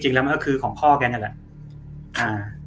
จริงแล้วมันก็คือของพ่อแกนั่นแหละ